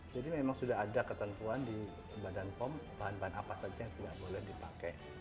jadi memang sudah ada ketentuan di badan pom bahan bahan apa saja yang tidak boleh dipakai